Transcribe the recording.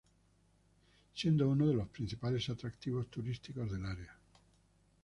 Siendo uno de los principales atractivos turísticos del área.